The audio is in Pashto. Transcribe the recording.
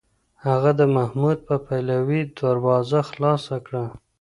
هغه د محمود په پلوۍ دروازه خلاصه کړه.